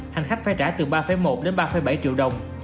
hành khách phải trả từ ba một đến ba bảy triệu đồng